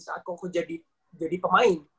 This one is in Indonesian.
saat koko jadi pemain